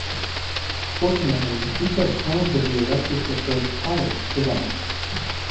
Fortunately, detailed plans of the Alexis I palace survived.